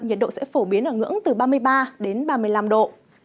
nhiệt độ sẽ phổ biến ở ngưỡng từ ba mươi ba đến ba mươi năm độ